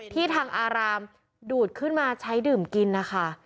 ที่ทางอารามดูดขึ้นมาใช้ดื่มกินนะคะ